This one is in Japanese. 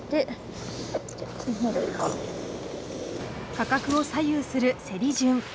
価格を左右する競り順。